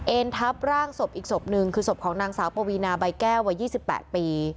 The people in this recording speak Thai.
เอ็นทัพร่างศพอีกศพหนึ่งคือศพของนางสาวปวีนาใบแก้ววัยยี่สิบแปดปี